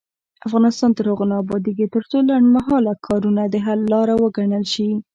افغانستان تر هغو نه ابادیږي، ترڅو لنډمهاله کارونه د حل لاره وګڼل شي.